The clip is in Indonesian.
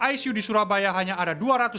icu di surabaya hanya ada dua ratus dua puluh empat